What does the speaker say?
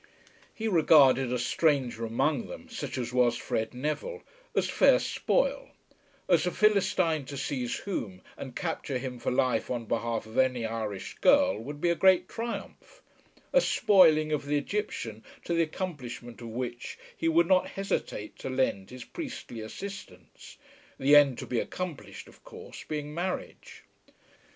He regarded a stranger among them, such as was Fred Neville, as fair spoil, as a Philistine to seize whom and capture him for life on behalf of any Irish girl would be a great triumph; a spoiling of the Egyptian to the accomplishment of which he would not hesitate to lend his priestly assistance, the end to be accomplished, of course, being marriage.